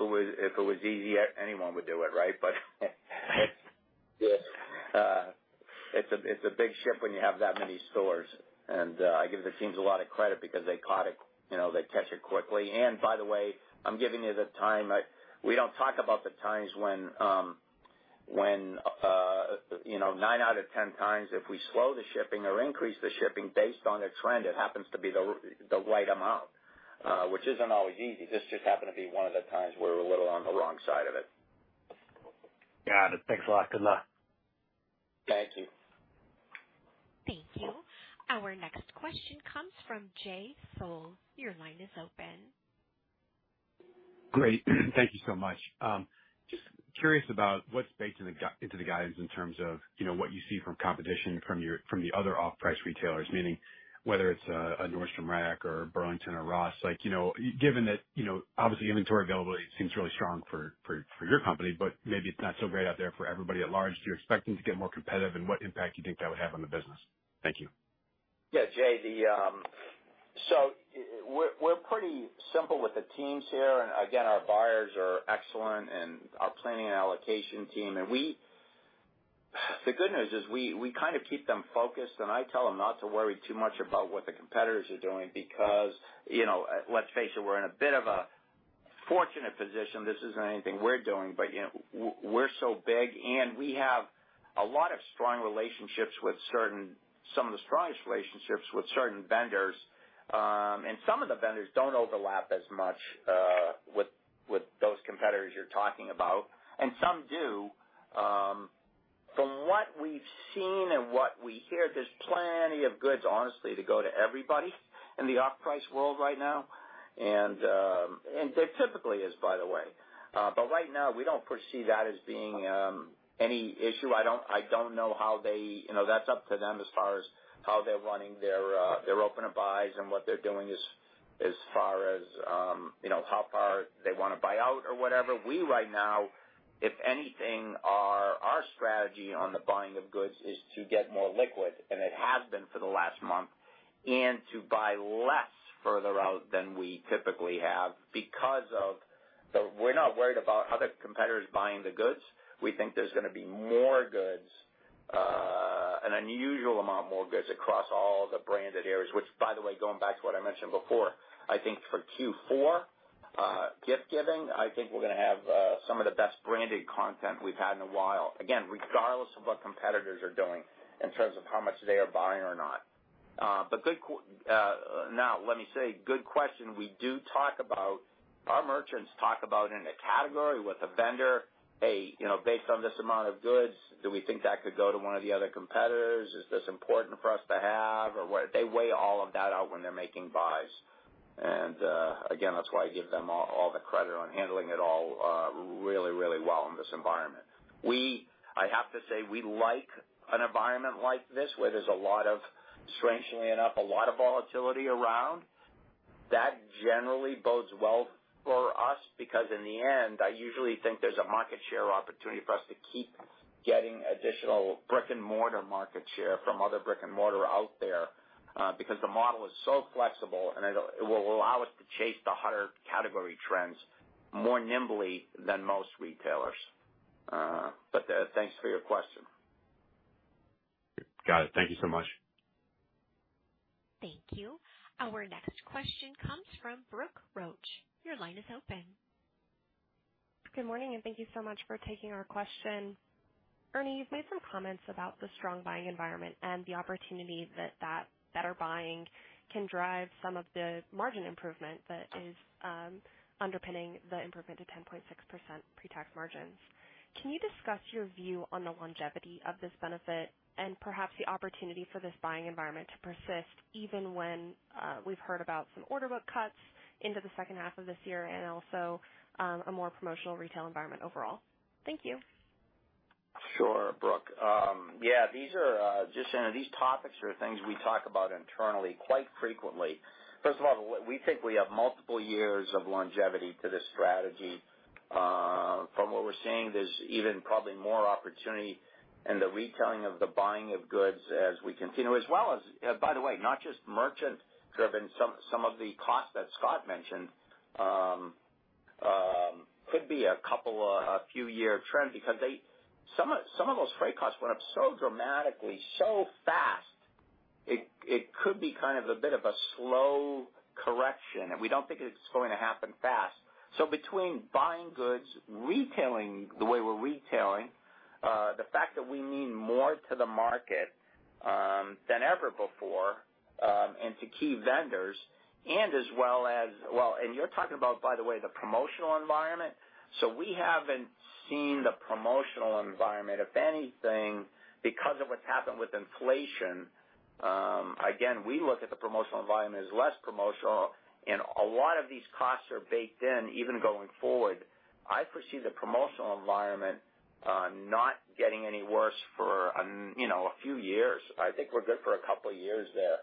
was easy, anyone would do it, right? Yes. It's a big ship when you have that many stores, and I give the teams a lot of credit because they caught it, you know, they catch it quickly. By the way, I'm giving you the time. We don't talk about the times when you know, nine out of 10 times, if we slow the shipping or increase the shipping based on a trend, it happens to be the right amount, which isn't always easy. This just happened to be one of the times where we're a little on the wrong side of it. Got it. Thanks a lot. Good luck. Thank you. Thank you. Our next question comes from Jay Sole. Your line is open. Great. Thank you so much. Just curious about what's baked into the guidance in terms of, you know, what you see from competition from the other off-price retailers, meaning whether it's a Nordstrom Rack or a Burlington or Ross. Like, you know, given that, you know, obviously inventory availability seems really strong for your company, but maybe it's not so great out there for everybody at large. Do you expect them to get more competitive, and what impact do you think that would have on the business? Thank you. Yeah, Jay, we're pretty simple with the teams here. Again, our buyers are excellent and our planning and allocation team. The good news is we kind of keep them focused, and I tell them not to worry too much about what the competitors are doing because, you know, let's face it, we're in a bit of a fortunate position. This isn't anything we're doing, but, you know, we're so big, and we have a lot of strong relationships with certain, some of the strongest relationships with certain vendors. Some of the vendors don't overlap as much with those competitors you're talking about, and some do. From what we've seen and what we hear, there's plenty of goods, honestly, to go to everybody in the off-price world right now. There typically is, by the way. Right now, we don't foresee that as being any issue. I don't know how they. You know, that's up to them as far as how they're running their open-to-buys and what they're doing as far as, you know, how far they wanna buy out or whatever. We right now, if anything, our strategy on the buying of goods is to get more liquid, and it has been for the last month, and to buy less further out than we typically have. We're not worried about other competitors buying the goods. We think there's gonna be more goods, an unusual amount more goods across all the branded areas, which by the way, going back to what I mentioned before, I think for Q4, gift giving, I think we're gonna have some of the best branded content we've had in a while, again, regardless of what competitors are doing in terms of how much they are buying or not. Good question. We do talk about. Our merchants talk about in a category with a vendor, Hey, you know, based on this amount of goods, do we think that could go to one of the other competitors? Is this important for us to have? They weigh all of that out when they're making buys. Again, that's why I give them all the credit for handling it all really well in this environment. I have to say, we like an environment like this where there's a lot of, strangely enough, a lot of volatility around. That generally bodes well for us because in the end, I usually think there's a market share opportunity for us to keep getting additional brick-and-mortar market share from other brick-and-mortar out there because the model is so flexible, and it will allow us to chase the hotter category trends more nimbly than most retailers. Thanks for your question. Got it. Thank you so much. Thank you. Our next question comes from Brooke Roach. Your line is open. Good morning, and thank you so much for taking our question. Ernie, you've made some comments about the strong buying environment and the opportunity that better buying can drive some of the margin improvement that is underpinning the improvement to 10.6% pre-tax margins. Can you discuss your view on the longevity of this benefit and perhaps the opportunity for this buying environment to persist, even when we've heard about some order book cuts into the second half of this year and also a more promotional retail environment overall? Thank you. Sure, Brooke. Yeah, these are just, you know, these topics are things we talk about internally quite frequently. First of all, we think we have multiple years of longevity to this strategy. From what we're seeing, there's even probably more opportunity in the retailing of the buying of goods as we continue. As well as, by the way, not just merchant driven, some of the costs that Scott mentioned could be a couple few year trend because some of those freight costs went up so dramatically, so fast, it could be kind of a bit of a slow correction, and we don't think it's going to happen fast. Between buying goods, retailing the way we're retailing, the fact that we mean more to the market than ever before, and to key vendors, and as well as. Well, and you're talking about, by the way, the promotional environment. We haven't seen the promotional environment. If anything, because of what's happened with inflation, again, we look at the promotional environment as less promotional, and a lot of these costs are baked in, even going forward. I foresee the promotional environment not getting any worse for an, you know, a few years. I think we're good for a couple of years there.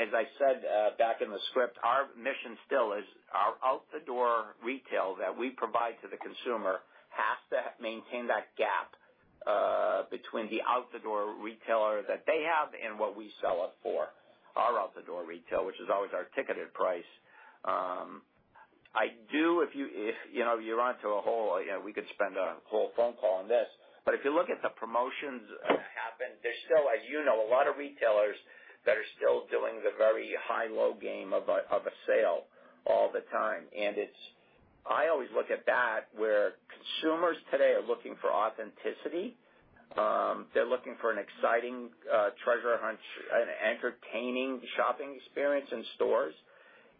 As I said back in the script, our mission still is our out-the-door retail that we provide to the consumer has to maintain that gap between the out-the-door retail that they have and what we sell it for, our out-the-door retail, which is always our ticketed price. I do if you know, you're onto a whole, you know, we could spend a whole phone call on this, but if you look at the promotions that happened, there's still, as you know, a lot of retailers that are still doing the very high-low game of a sale all the time. I always look at that, where consumers today are looking for authenticity, they're looking for an exciting, treasure hunt, an entertaining shopping experience in stores,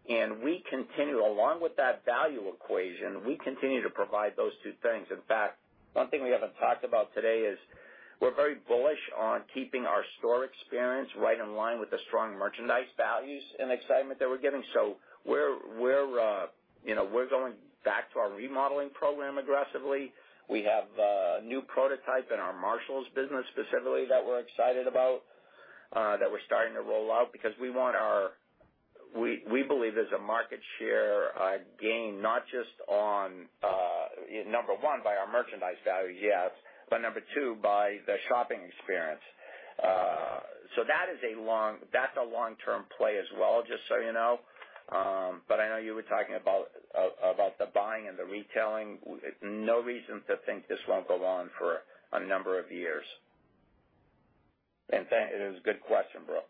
and we continue along with that value equation, we continue to provide those two things. In fact, one thing we haven't talked about today is we're very bullish on keeping our store experience right in line with the strong merchandise values and excitement that we're getting. We're, you know, we're going back to our remodeling program aggressively. We have a new prototype in our Marshalls business specifically that we're excited about, that we're starting to roll out because we want our. We believe there's a market share gain not just on, number one, by our merchandise value, yes, but number two, by the shopping experience. That is a long, that's a long-term play as well, just so you know. I know you were talking about the buying and the retailing. No reason to think this won't go on for a number of years. It is a good question, Brooke.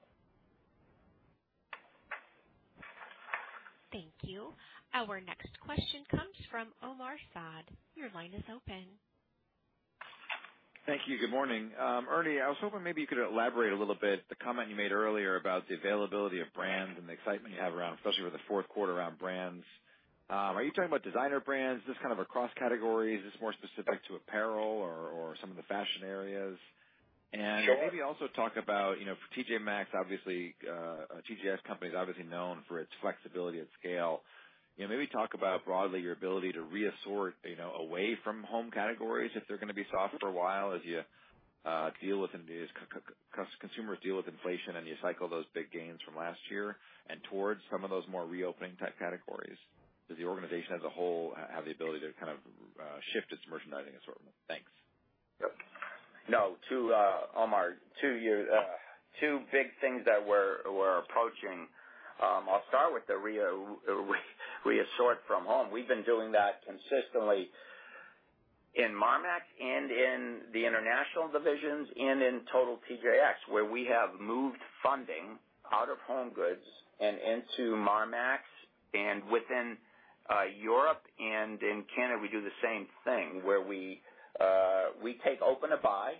Thank you. Our next question comes from Omar Saad. Your line is open. Thank you. Good morning. Ernie, I was hoping maybe you could elaborate a little bit, the comment you made earlier about the availability of brands and the excitement you have around, especially with the fourth quarter around brands. Are you talking about designer brands? Is this kind of across categories? Is this more specific to apparel or some of the fashion areas? Sure. Maybe also talk about, you know, for TJ Maxx, obviously, TJX Companies is obviously known for its flexibility and scale. You know, maybe talk about broadly your ability to reassort, you know, away from home categories if they're gonna be soft for a while as you deal with and as consumers deal with inflation and you cycle those big gains from last year and towards some of those more reopening type categories. Does the organization as a whole have the ability to kind of shift its merchandising assortment? Thanks. To Omar, to you. Two big things that we're approaching. I'll start with the reassort from home. We've been doing that consistently in Marmaxx and in the international divisions and in total TJX, where we have moved funding out of HomeGoods and into Marmaxx. Within Europe and in Canada, we do the same thing where we take open-to-buy,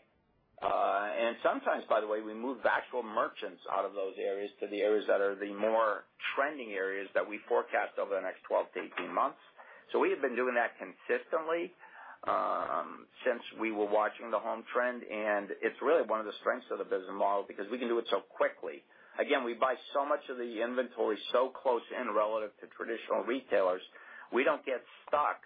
and sometimes, by the way, we move the actual merchants out of those areas to the areas that are the more trending areas that we forecast over the next 12 months to 18 months. We have been doing that consistently since we were watching the home trend, and it's really one of the strengths of the business model because we can do it so quickly. Again, we buy so much of the inventory so close and relative to traditional retailers. We don't get stuck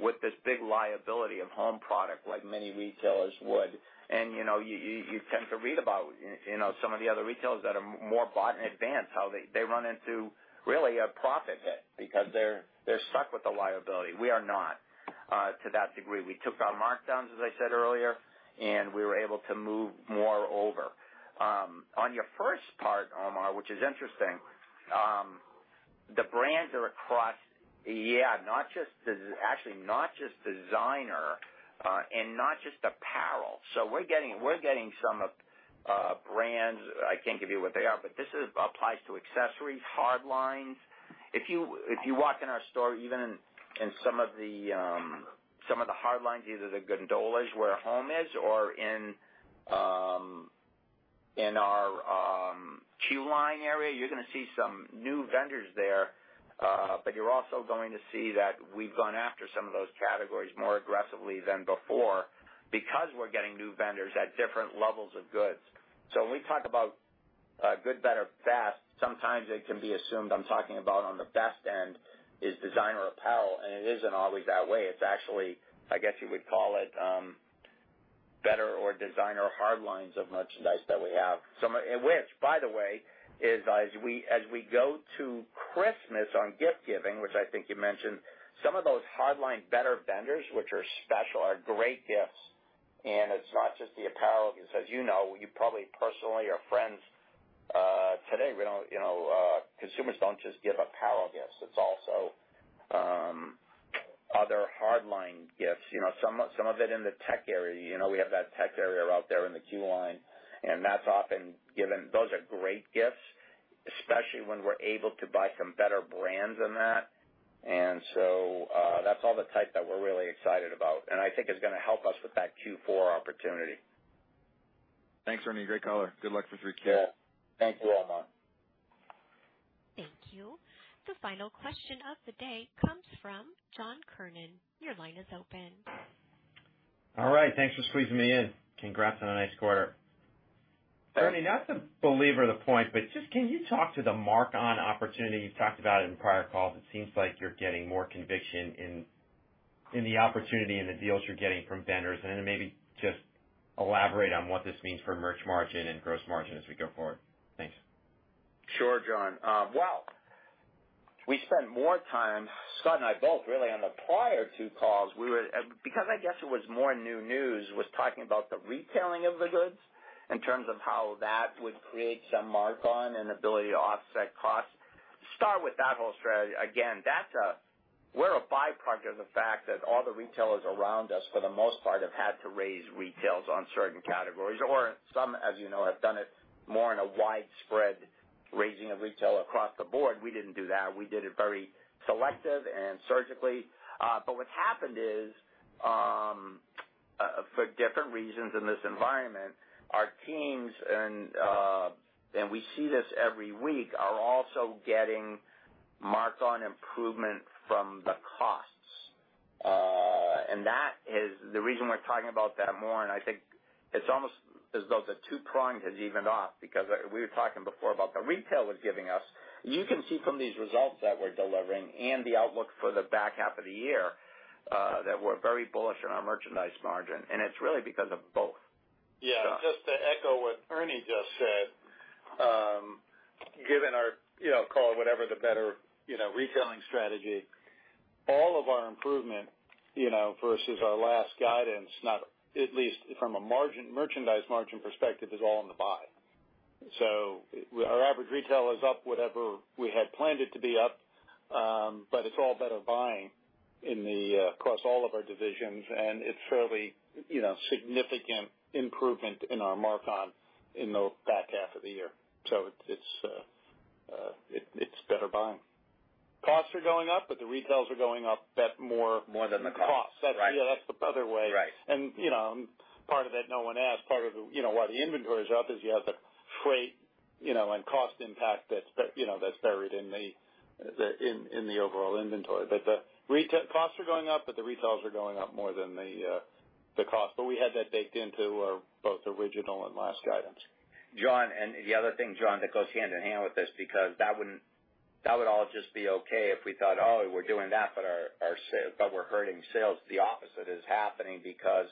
with this big liability of home product like many retailers would. You know, you tend to read about, you know, some of the other retailers that are more bought in advance, how they run into really a profit hit because they're stuck with the liability. We are not to that degree. We took our markdowns, as I said earlier, and we were able to move more over. On your first part, Omar, which is interesting, the brands are across, yeah, not just actually, not just designer, and not just apparel. We're getting some of brands. I can't give you what they are, but this applies to accessories, hard lines. If you walk in our store, even in some of the hard lines, either the gondolas where home is or in our queue line area, you're gonna see some new vendors there. You're also going to see that we've gone after some of those categories more aggressively than before because we're getting new vendors at different levels of goods. When we talk about a good, better, best. Sometimes it can be assumed I'm talking about on the best end is designer apparel, and it isn't always that way. It's actually, I guess you would call it, better or designer hard lines of merchandise that we have. Some of Which, by the way, is as we go to Christmas and gift giving, which I think you mentioned, some of those hard line better vendors, which are special, are great gifts. It's not just the apparel, because as you know, you probably personally or friends, today we don't, you know, consumers don't just give apparel gifts. It's also other hard line gifts, you know, some of it in the tech area. You know, we have that tech area out there in the queue line, and that's often given. Those are great gifts, especially when we're able to buy some better brands in that. That's all the type that we're really excited about, and I think it's gonna help us with that Q4 opportunity. Thanks, Ernie. Great color. Good luck with retail. Yeah. Thank you, Omar. Thank you. The final question of the day comes from John Kernan. Your line is open. All right. Thanks for squeezing me in. Congrats on a nice quarter. Ernie, not to belabor the point, but just, can you talk to the markon opportunity you talked about in prior calls? It seems like you're getting more conviction in the opportunity and the deals you're getting from vendors. Maybe just elaborate on what this means for merch margin and gross margin as we go forward. Thanks. Sure, John. We spent more time, Scott and I both really, on the prior two calls talking about the retailing of the goods in terms of how that would create some markon and ability to offset costs. Start with that whole strategy. Again, that's a byproduct of the fact that all the retailers around us, for the most part, have had to raise retails on certain categories, or some, as you know, have done it more in a widespread raising of retail across the board. We didn't do that. We did it very selective and surgically. But what's happened is, for different reasons in this environment, our teams and we see this every week, are also getting markon improvement from the costs. That is the reason we're talking about that more. I think it's almost as though the two prongs has evened off because we were talking before about the retail was giving us. You can see from these results that we're delivering and the outlook for the back half of the year that we're very bullish on our merchandise margin, and it's really because of both. Yeah. Just to echo what Ernie just said, given our, you know, call it whatever, the better, you know, retailing strategy, all of our improvement, you know, versus our last guidance, not least from a margin, merchandise margin perspective, is all in the buy. So our average retail is up whatever we had planned it to be up, but it's all better buying across all of our divisions, and it's fairly, you know, significant improvement in our markon in the back half of the year. So it's better buying. Costs are going up, but the retails are going up that more. More than the cost. The cost. Right. That's, yeah, that's the better way. Right. You know, part of that, no one asked, part of the, you know, why the inventory is up is you have the freight, you know, and cost impact that's buried in the overall inventory. Retail costs are going up, but the retails are going up more than the cost. We had that baked into both original and last guidance. John, the other thing, John, that goes hand in hand with this, because that would all just be okay if we thought, Oh, we're doing that, but our sales but we're hurting sales. The opposite is happening because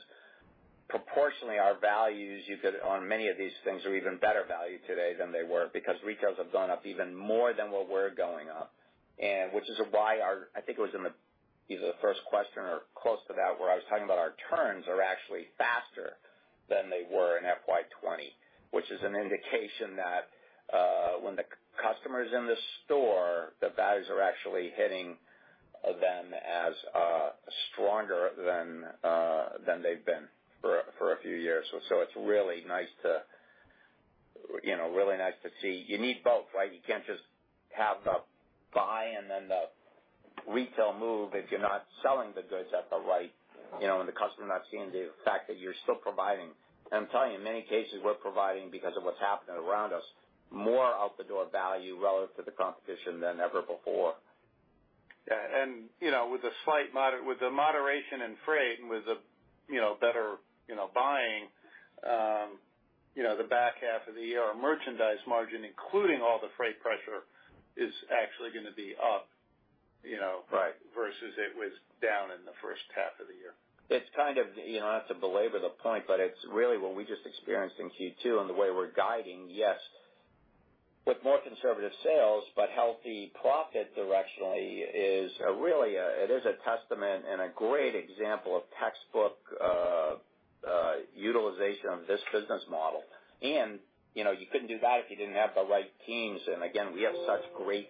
proportionately, our values, you could, on many of these things are even better value today than they were because retail has gone up even more than what we're going up. Which is why our. I think it was either the first question or close to that, where I was talking about our turns are actually faster than they were in FY 2020, which is an indication that when the customer is in the store, the values are actually hitting them as stronger than they've been for a few years. It's really nice to, you know, really nice to see. You need both, right? You can't just have the buy and then the retail move if you're not selling the goods at the right, you know, and the customer not seeing the fact that you're still providing. I'm telling you, in many cases, we're providing because of what's happening around us, more out the door value relative to the competition than ever before. Yeah. You know, with the moderation in freight and with the, you know, better, you know, buying, you know, the back half of the year, our merchandise margin, including all the freight pressure, is actually gonna be up, you know. Right. Versus it was down in the first half of the year. It's kind of, you know, not to belabor the point, but it's really what we just experienced in Q2 and the way we're guiding, yes, with more conservative sales but healthy profit directionally is really a testament and a great example of textbook utilization of this business model. You know, you couldn't do that if you didn't have the right teams. We have such great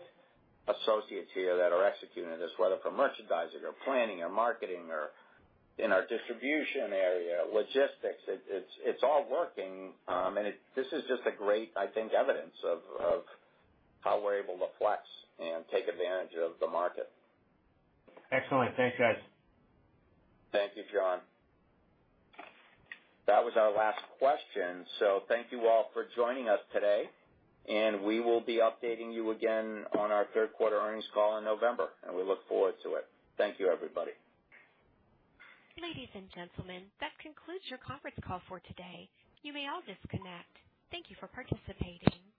associates here that are executing this, whether from merchandising or planning or marketing or in our distribution area, logistics. It's all working. This is just a great, I think, evidence of how we're able to flex and take advantage of the market. Excellent. Thanks, guys. Thank you, John. That was our last question. Thank you all for joining us today, and we will be updating you again on our third quarter earnings call in November, and we look forward to it. Thank you, everybody. Ladies and gentlemen, that concludes your conference call for today. You may all disconnect. Thank you for participating.